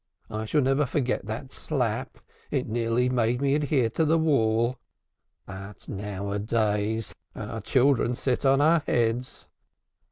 I shall never forget that slap it nearly made me adhere to the wall. But now a days our children sit on our heads.